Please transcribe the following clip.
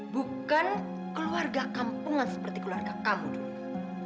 bukan keluarga kampungan seperti keluarga kamu dulu